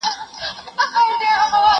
هر سړي به ویل ښه سو چي مردار سو